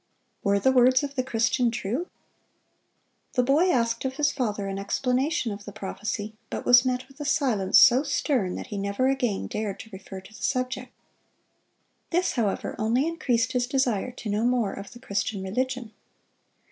Were the words of the Christian true? The boy asked of his father an explanation of the prophecy, but was met with a silence so stern that he never again dared to refer to the subject. This, however, only increased his desire to know more of the Christian religion.